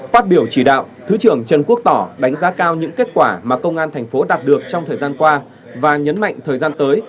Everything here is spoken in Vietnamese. phát biểu chỉ đạo thứ trưởng trần quốc tỏ đánh giá cao những kết quả mà công an thành phố đạt được trong thời gian qua và nhấn mạnh thời gian tới